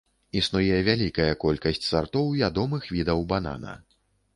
Існуе вялікая колькасць сартоў ядомых відаў банана.